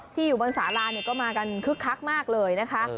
อยู่บนสาราก็มากันคึกคักมากเลยนะคะ